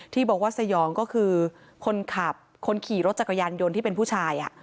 ที่บอกว่าสยองก็คือคนขับคนขี่รถจักรยานยนต์ที่เป็นผู้ชาย